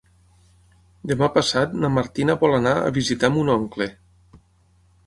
Demà passat na Martina vol anar a visitar mon oncle.